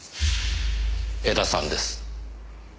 江田さんです。